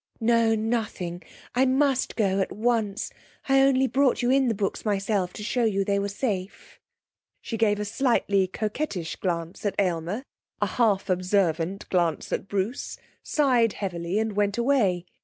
'No, nothing. I must go at once. I only brought you in the books myself to show you they were safe.' She gave a slightly coquettish glance at Aylmer, a half observant glance at Bruce, sighed heavily and went away.